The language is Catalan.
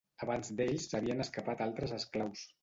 Abans d'ells s'havien escapat altres esclaus.